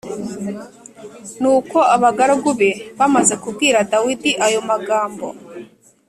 Nuko abagaragu be bamaze kubwira Dawidi ayo magambo